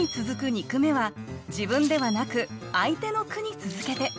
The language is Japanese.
二句目は自分ではなく相手の句に続けて。